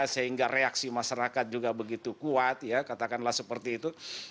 sehingga reaksi masyarakat juga begitu kuat ya katakanlah seperti itu